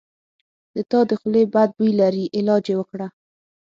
د تا د خولې بد بوي لري علاج یی وکړه